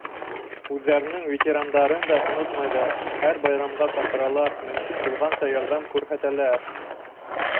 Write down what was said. Үҙҙәренең ветерандарын да онотмайҙар: һәр байрамға саҡыралар, мөмкин булғанса ярҙам күрһәтәләр.